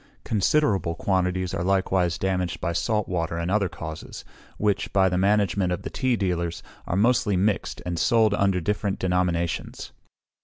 Considerable quantities are likewise damaged by salt water and other causes, which, by the management of the tea dealers, are mostly mixed, and sold under different denominations.